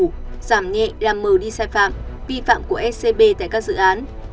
hệ làm mờ đi sai phạm vi phạm của scb tại các dự án